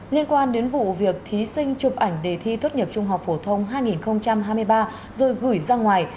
liên quan đến vụ việc thí sinh chụp ảnh đề thi tốt nghiệp trung học phổ thông hai nghìn hai mươi ba rồi gửi ra ngoài